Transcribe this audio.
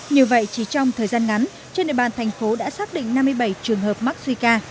như vậy chỉ trong thời gian ngắn trên địa bàn thành phố đã xác định năm mươi bảy trường hợp mắc suy ca